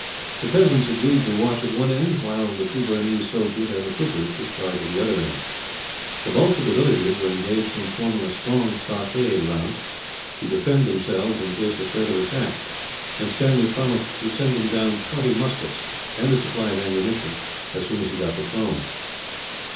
The peasants agreed to watch at one end, while the two Burmese soldiers and the troopers took charge of the other end. The bulk of the villagers were engaged in forming a strong stockade round, it to defend themselves in case of further attack; and Stanley promised to send them down twenty muskets, and a supply of ammunition, as soon as he got to Prome.